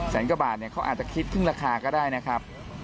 แสนกว่าบาทเนี่ยเขาอาจจะคิดครึ่งราคาก็ได้นะครับ